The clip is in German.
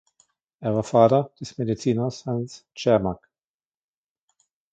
Er war der Vater des Mediziners Hans Czermak.